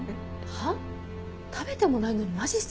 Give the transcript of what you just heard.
はっ？